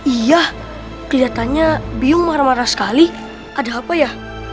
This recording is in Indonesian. iya kelihatannya bingung marah marah sekali ada apa ya